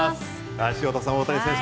潮田さん大谷選手